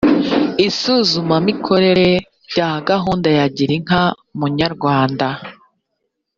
isuzumamikorere rya gahunda ya girinka munyarwanda